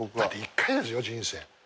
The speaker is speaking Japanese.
だって１回ですよ人生。